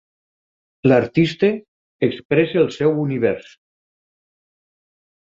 L'artista expressa el seu univers.